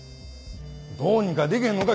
どうにかできへんのか？